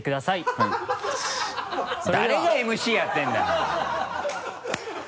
誰がＭＣやってんだよ！